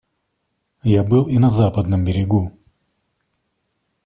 Я был и на Западном берегу.